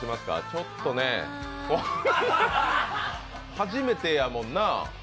ちょっとねえ、初めてやもんなあ。